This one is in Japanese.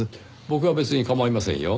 僕は別に構いませんよ。